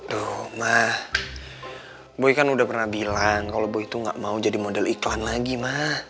tuh ma boy kan udah pernah bilang kalau boy itu nggak mau jadi model iklan lagi ma